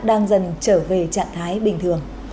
đang dần trở về trạng thái bình thường